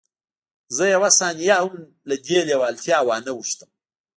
زه یوه ثانیه هم له دې لېوالتیا وانه وښتم